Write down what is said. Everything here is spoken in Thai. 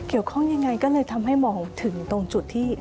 ยังไงก็เลยทำให้มองถึงตรงจุดที่